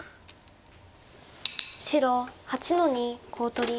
白８の二コウ取り。